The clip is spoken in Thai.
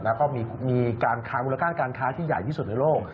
แล้วก็มีบุรการการค้าที่ใหญ่ที่สุดในโลก